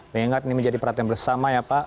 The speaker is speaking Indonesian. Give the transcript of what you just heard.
mengingat ini menjadi perhatian bersama ya pak